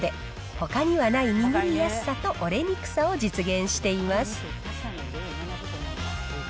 ほかにはない握りやすさと折れにくさを実現しています。